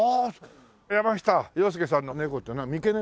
山下洋輔さんの猫っていうのは三毛猫？